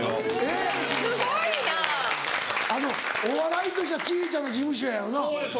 お笑いとしては小ちゃな事務所やよな。